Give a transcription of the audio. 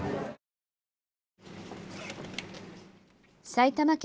埼玉県